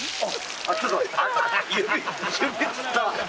あっ！